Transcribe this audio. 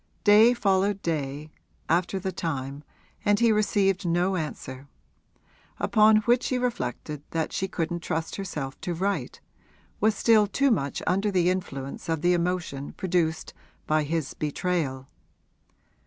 Day followed day, after the time, and he received no answer; upon which he reflected that she couldn't trust herself to write was still too much under the influence of the emotion produced by his 'betrayal.'